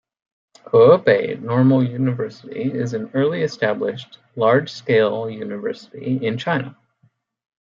Hebei Normal University is an early-established large-scale university in China.